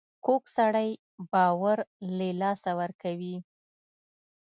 کوږ سړی باور له لاسه ورکوي